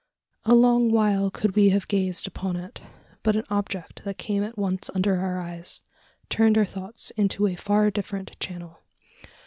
A long while could we have gazed upon it; but an object, that came at once under our eyes, turned our thoughts into a far different channel.